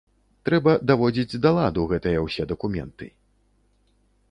Трэба даводзіць да ладу гэтыя ўсе дакументы.